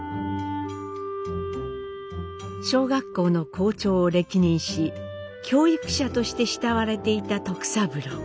小学校の校長を歴任し教育者として慕われていた徳三郎。